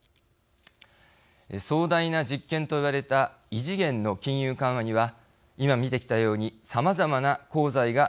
壮大な実験といわれた異次元の金融緩和には今見てきたようにさまざまな功罪が指摘されています。